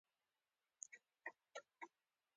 فعال و اوسئ